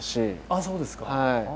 ああそうですか！